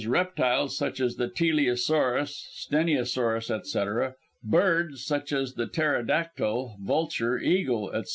_ reptiles such as the teleosaurus, steneosaurus, etc.; birds, such as the ptereodactyl, vulture, eagle, etc.